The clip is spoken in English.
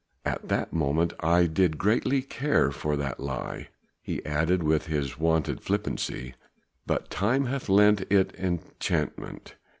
At that moment I did not greatly care for that lie," he added with his wonted flippancy, "but time hath lent it enchantment.